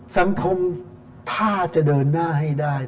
สังคมถ้าจะเดินหน้าให้ได้